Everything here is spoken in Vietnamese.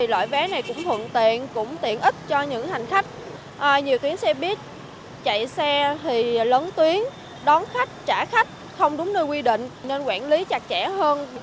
loại vé này cũng thuận tiện cũng tiện ít cho những hành khách nhiều tuyến xe buýt chạy xe thì lớn tuyến đón khách trả khách không đúng nơi quy định nên quản lý chặt chẽ hơn